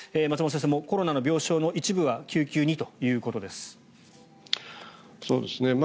松本先生、コロナの病床の一部は救急にということです。